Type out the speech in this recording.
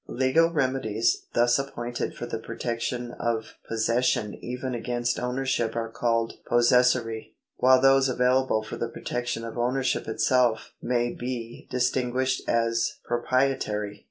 Legal remedies thus appointed for the protection of pos session even against ownership are called possessory, while those available for the protection of ownership itself may be distinguished as proprietary.